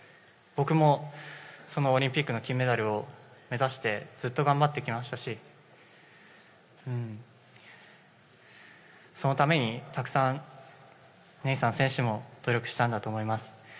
僕もそのオリンピックの金メダルを目指してずっと頑張ってきましたしそのためにたくさんネイサン選手も努力したんだと思います。